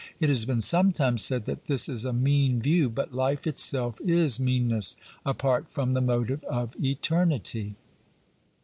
It has been sometimes said that this is a mean view, but life itself is meanness apart from the motive of eternity.